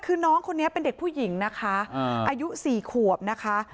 คือน้องคนนี้เป็นเด็กผู้หญิงนะคะอายุ๔ขวบนะคะ